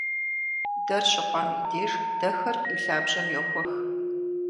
Дэр щыхъуам и деж дэхэр и лъабжьэм йохуэх.